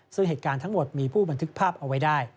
ซึ่งเหตุการณ์ทั้งหมดมีผู้บันทึกภาพเอาไว้ได้